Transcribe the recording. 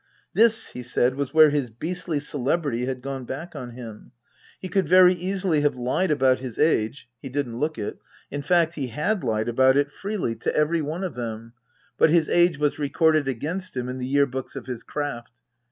This, he said, was where his beastly celebrity had gone back on him. He could very easily have lied about his age (he didn't look it), in fact, he had lied about it freely, Book III : His Book 261 to every one of them ; but his age was recorded against him in the Year Books of his craft.